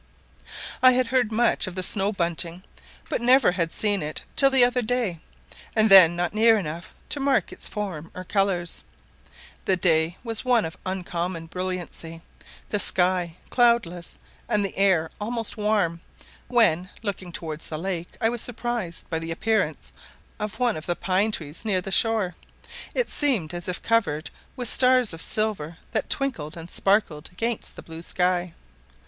I had heard much of the snow bunting, but never had seen it till the other day, and then not near enough to mark its form or colours. The day was one of uncommon brilliancy; the sky cloudless, and the air almost warm; when, looking towards the lake, I was surprised by the appearance of one of the pine trees near the shore: it seemed as if covered with stars of silver that twinkled and sparkled against the blue sky.